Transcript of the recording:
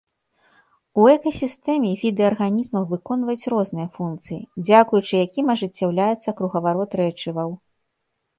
У экасістэме віды арганізмаў выконваюць розныя функцыі, дзякуючы якім ажыццяўляецца кругаварот рэчываў.